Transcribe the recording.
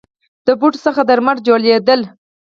د بوټو څخه درمل جوړیدل